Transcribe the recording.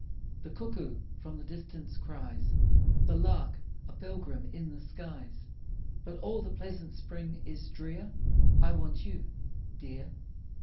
The cuckoo from the distance cries, The lark a pilgrim in the skies; But all the pleasant spring is drear. I want you, dear!